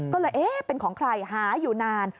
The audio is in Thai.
ก็เลยเอ๊ะเป็นของใครหาอยู่นาน